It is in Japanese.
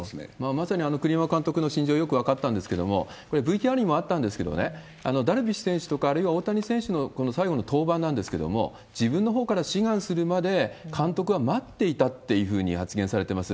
まさに栗山監督の信条、よく分かったんですけれども、これ、ＶＴＲにもあったんですけどね、ダルビッシュ選手とか、あるいは大谷選手のこの最後の登板なんですけれども、自分のほうから志願するまで、監督は待っていたっていうふうに発言されてます。